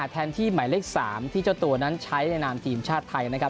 แทนที่หมายเลข๓ที่เจ้าตัวนั้นใช้ในนามทีมชาติไทยนะครับ